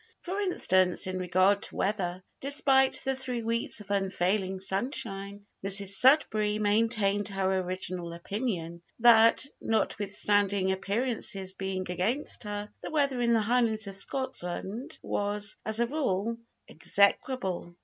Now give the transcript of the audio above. For instance, in regard to weather despite the three weeks of unfailing sunshine, Mrs Sudberry maintained her original opinion, that, notwithstanding appearances being against her, the weather in the Highlands of Scotland was, as a rule, execrable.